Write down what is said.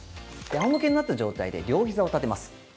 あおむけになった状態で両ひざを立てます。